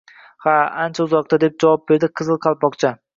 — Ha, ancha uzoqda, — deb javob beribdi Qizil Qalpoqcha